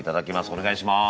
お願いします。